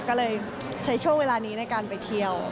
ก็เลยใช้ช่วงเวลานี้ในการไปเที่ยว